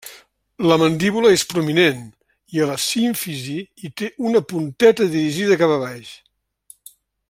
La mandíbula és prominent i a la símfisi hi té una punteta dirigida cap avall.